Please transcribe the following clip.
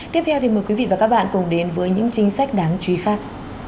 tiếp theo thì mời quý vị và các bạn cùng đến với những chính sách đáng chú ý khác